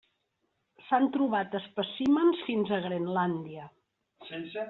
S’han trobat espècimens fins a Grenlàndia.